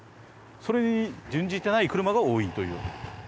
それに準じてない車が多いといえます。